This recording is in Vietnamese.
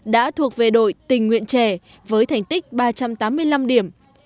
đã thuộc về đội tình nguyện trẻ với thành tích ba trăm tám mươi năm điểm